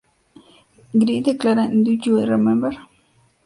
Greg declara, en "Do You Remember?